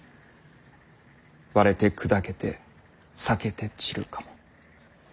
破れて砕けて裂けて散るかも」。